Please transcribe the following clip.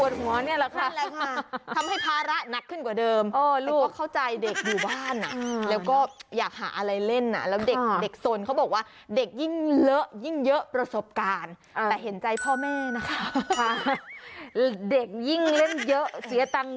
ช่วยให้รอดหรือช่วยให้เละถ้าคุณตอบจริง